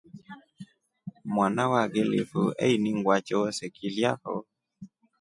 Mwana wa kilifu einingwa choose kilya fo.